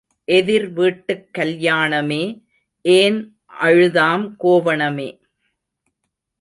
எதிர் வீட்டுக் கல்யாணமே, ஏன் அழுதாம் கோவணமே?